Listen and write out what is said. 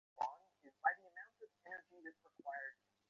তাদের ছোট ঠোঁটে হুল ফোটা সত্বেও।